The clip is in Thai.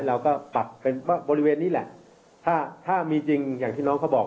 เราก็ปรับเป็นบริเวณนี้แหละถ้าถ้ามีจริงอย่างที่น้องเขาบอก